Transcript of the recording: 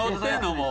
もう。